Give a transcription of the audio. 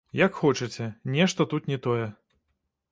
Як хочаце, нешта тут не тое.